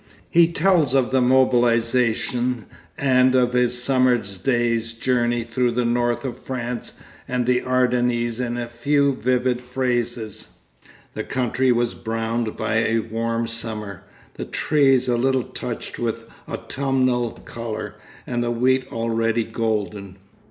He tells of the mobilisation and of his summer day's journey through the north of France and the Ardennes in a few vivid phrases. The country was browned by a warm summer, the trees a little touched with autumnal colour, and the wheat already golden.